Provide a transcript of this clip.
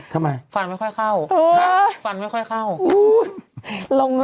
ทำไมฟันไม่ค่อยเข้าฟันไม่ค่อยเข้า